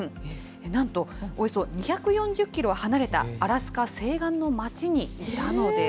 なんと、およそ２４０キロ離れたアラスカ西岸の町にいたのです。